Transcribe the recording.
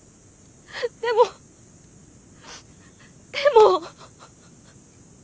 でもでも。